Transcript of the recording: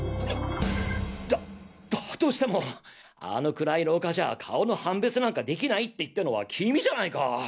だだとしてもあの暗い廊下じゃ顔の判別なんかできないって言ったのは君じゃないか！